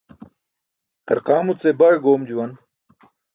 Qarqaamuce baý goom juwan.